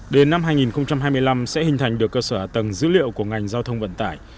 đến năm hai nghìn hai mươi năm sẽ hình thành được cơ sở tầng dữ liệu của ngành giao thông vận tải